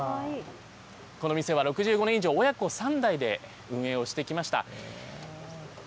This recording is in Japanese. この店は６５年以上、親子３代で運営をしてきました。